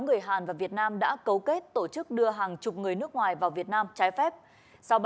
người hàn và việt nam đã cấu kết tổ chức đưa hàng chục người nước ngoài vào việt nam trái phép sau